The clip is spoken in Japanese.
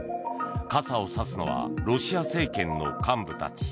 傘をさすのはロシア政権の幹部たち。